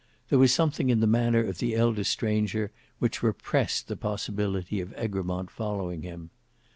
There was something in the manner of the elder stranger which repressed the possibility of Egremont following him.